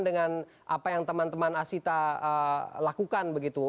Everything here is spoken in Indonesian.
dengan apa yang teman teman asita lakukan begitu